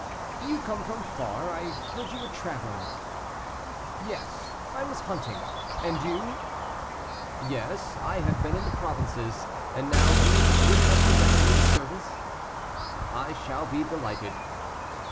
"Do you come from far? I heard you were traveling." "Yes, I was hunting. And you?" "Yes, I have been in the provinces; and now will you be good enough to render me a service?" "I shall be delighted."